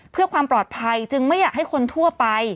เพื่อความปลอดภัยจึงไม่อยากให้คนทั่วไป